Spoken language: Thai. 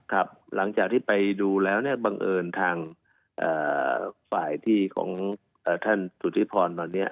ครับหลังจากที่ไปดูแล้วเนี่ยบังเอิญทางฝ่ายที่ของท่านสุธิพรตอนนี้